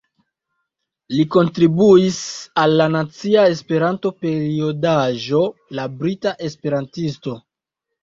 Li kontribuis al la nacia Esperanto-periodaĵo La Brita Esperantisto.